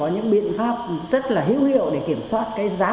những biện pháp rất là hữu hiệu để kiểm soát cái giá